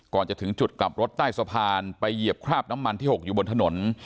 ก่อนจะถึงจุดกลับรถใต้สะพานไปเหยียบคราบน้ำมันที่หกอยู่บนถนน